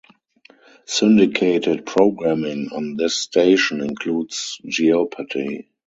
Syndicated programming on this station includes Jeopardy!